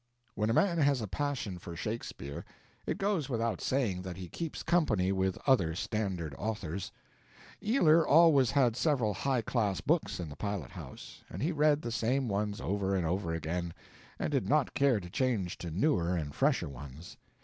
When a man has a passion for Shakespeare, it goes without saying that he keeps company with other standard authors. Ealer always had several high class books in the pilot house, and he read the same ones over and over again, and did not care to change to newer and fresher ones.